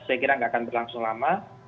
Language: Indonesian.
saya kira nggak akan berlangsung lama